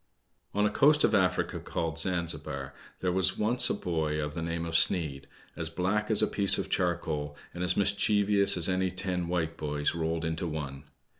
O N a coast of Africa called Zanzibar, there was once a boy of the name of Sneid, as black as a piece of charcoal, and as mischievous as any ten white boys rolled into one.